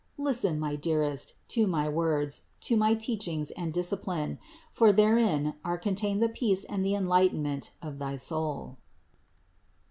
Listen, my dearest, to my words, to my teach ings and discipline, for therein are contained the peace and the enlightenment of thy soul.